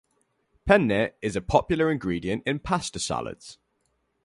Penne is a popular ingredient in pasta salads.